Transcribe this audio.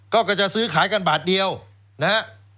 ก็จะซื้อขายกันบาทเดียวนะฮะ